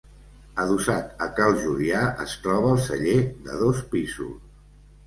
Adossat a Cal Julià es troba el celler, de dos pisos.